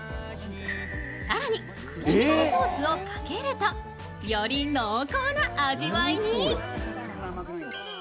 更に、胡桃だれソースをかけるとより濃厚な味わいに。